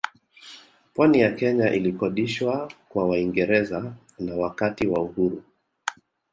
Pwani ya Kenya ilikodishwa kwa Waingereza na Wakati wa uhuru